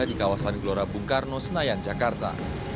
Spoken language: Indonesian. di kawasan gelora bung karno senayan jakarta